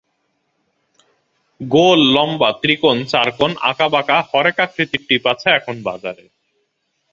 গোল, লম্বা, ত্রিকোণ, চার কোণ, আঁঁকাবাঁকা হরেক আকৃতির টিপ আছে এখন বাজারে।